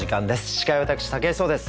司会は私武井壮です。